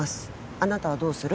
あなたはどうする？